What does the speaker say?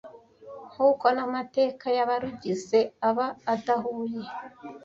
kuko n’amateka y’abarugize aba adahuye